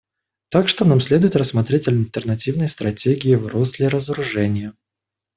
Так что нам следует рассмотреть альтернативные стратегии в русле разоружения.